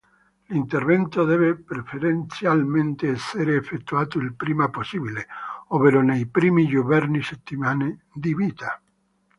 L'intervento deve preferenzialmente essere effettuato il prima possibile, ovvero nei primi giorni-settimane di vita.